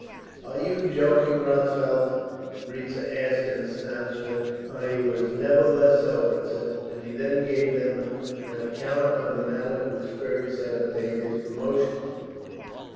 "Are you joking, Ronsfeldt?" Ritzer asked in astonishment. "I was never less so, Ritzer;" and he then gave them an account of the manner in which Fergus had obtained his promotion.